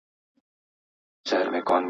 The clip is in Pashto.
زه اوس سينه سپين کوم!؟